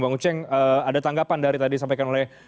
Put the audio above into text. bang oceng ada tanggapan dari tadi sampaikan oleh